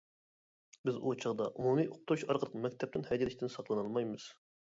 بىز ئۇ چاغدا ئومۇمىي ئۇقتۇرۇش ئارقىلىق مەكتەپتىن ھەيدىلىشتىن ساقلىنالمايمىز.